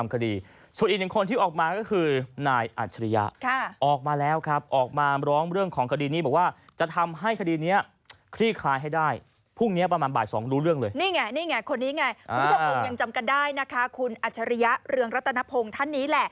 คุณผู้ชมคงยังจำกันได้นะคะคุณอัจฉริยะเรืองรัตนพงศ์ท่านนี้แหละ